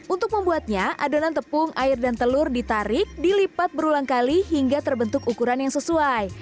untuk membuatnya adonan tepung air dan telur ditarik dilipat berulang kali hingga terbentuk ukuran yang sesuai